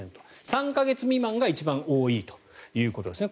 ３か月未満が一番多いということですね